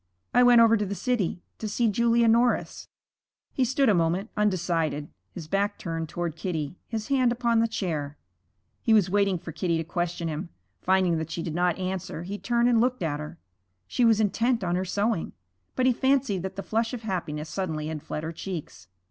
'I went over to the city to see Julia Norris.' He stood a moment, undecided, his back turned toward Kitty, his hand upon the chair. He was waiting for Kitty to question him. Finding that she did not answer, he turned and looked at her. She was intent on her sewing, but he fancied that the flush of happiness suddenly had fled her cheeks.